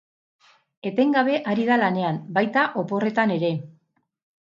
Etengabe ari da lanean, baita oporretan ere.